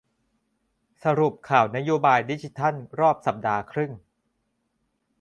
สรุปข่าวนโยบายดิจิทัลรอบสัปดาห์ครึ่ง